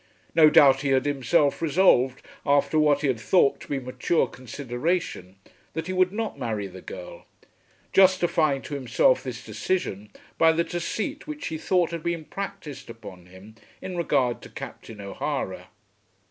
No doubt he had himself resolved, after what he had thought to be mature consideration that he would not marry the girl, justifying to himself this decision by the deceit which he thought had been practised upon him in regard to Captain O'Hara.